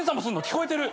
聞こえてる。